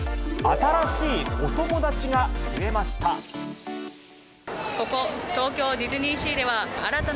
新しいお友達が増えました。